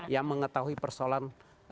yang mengetahui persoalan